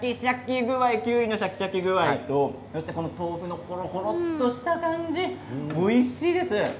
きゅうりのシャキシャキ具合と豆腐のほろほろとした感じおいしいです。